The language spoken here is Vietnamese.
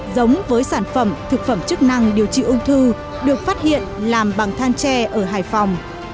giống với sản phẩm thực phẩm chức năng điều trị ung thư được phát hiện làm bằng than tre ở hải phòng